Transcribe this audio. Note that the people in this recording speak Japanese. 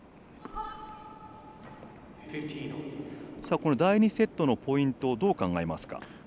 この第２セットのポイントどう考えますか？